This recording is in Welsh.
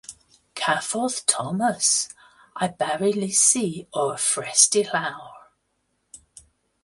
Cafodd Thomas ei barlysu o'r frest i lawr.